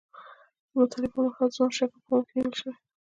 د مطالعې پر مهال ځوان شکل په پام کې نیول شوی.